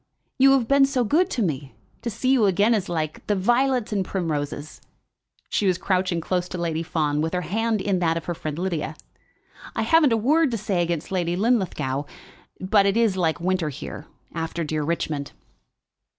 "You have been so good to me! To see you again is like the violets and primroses." She was crouching close to Lady Fawn, with her hand in that of her friend Lydia. "I haven't a word to say against Lady Linlithgow, but it is like winter here, after dear Richmond."